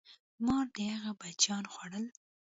مار د هغه بچیان خوړل.